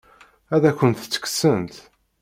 Ad akent-tt-kksent?